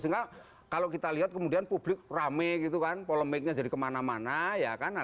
sehingga kalau kita lihat kemudian publik rame gitu kan polemiknya jadi kemana mana ya kan